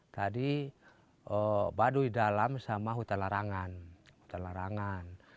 tadi baduy dalam sama hutan larangan